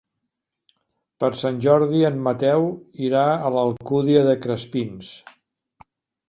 Per Sant Jordi en Mateu irà a l'Alcúdia de Crespins.